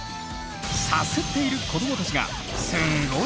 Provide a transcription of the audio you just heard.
サスっている子どもたちがすんごい